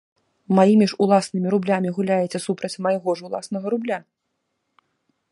Маімі ж уласнымі рублямі гуляеце супраць майго ж уласнага рубля.